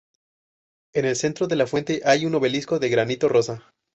En el centro de la fuente hay un obelisco de granito rosa.